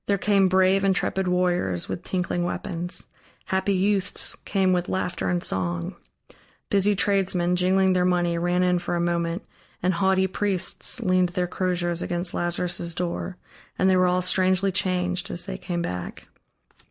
There came brave, intrepid warriors, with tinkling weapons; happy youths came with laughter and song; busy tradesmen, jingling their money, ran in for a moment, and haughty priests leaned their crosiers against Lazarus' door, and they were all strangely changed, as they came back.